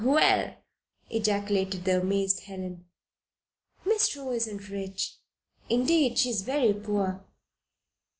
"Well!" ejaculated the amazed Helen. "Miss True isn't rich. Indeed, she is very poor.